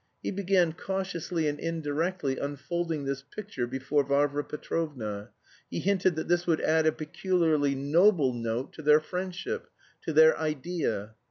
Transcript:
He began cautiously and indirectly unfolding this picture before Varvara Petrovna. He hinted that this would add a peculiarly noble note to their friendship... to their "idea."